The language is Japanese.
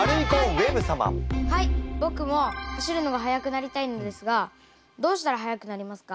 僕も走るのが速くなりたいのですがどうしたら速くなれますか？